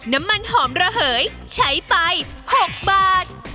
น้ำมันหอมระเหยใช้ไป๖บาท